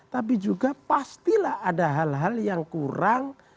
tapi juga pastilah ada hal hal yang kurang